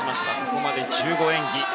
ここまで１５演技。